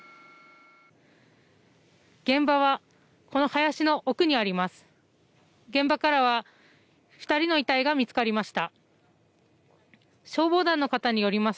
現場は、この林の奥にあります。